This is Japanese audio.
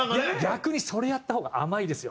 逆にそれやった方が甘いですよ